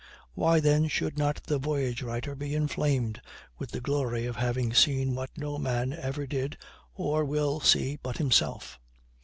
Why then should not the voyage writer be inflamed with the glory of having seen what no man ever did or will see but himself?